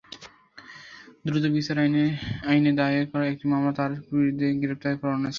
দ্রুত বিচার আইনে দায়ের করা একটি মামলায় তাঁর বিরুদ্ধে গ্রেপ্তারি পরোয়ানা ছিল।